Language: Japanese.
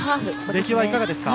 出来はいかがですか？